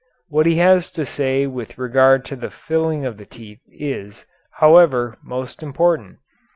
What he has to say with regard to the filling of the teeth is, however, most important.